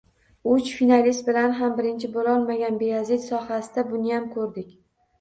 Uch finalist bilan xam birinchi bo‘lolmagan Beyazit soyasida buniyam ko‘rdik